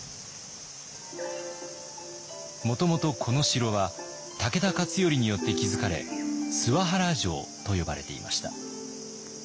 もともとこの城は武田勝頼によって築かれ諏訪原城と呼ばれていました。